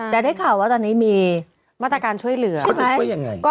แต่ได้ข่าวว่าตอนนี้มีมาตรการช่วยเหลือใช่ไหม